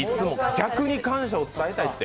逆に感謝を伝えたいって。